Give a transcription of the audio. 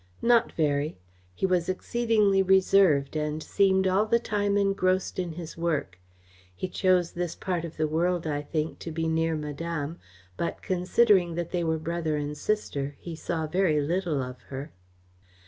"Not very. He was exceedingly reserved and seemed all the time engrossed in his work. He chose this part of the world, I think, to be near Madame, but, considering that they were brother and sister, he saw very little of her."